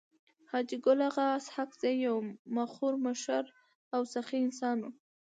حاجي ګل اغا اسحق زی يو مخور مشر او سخي انسان وو.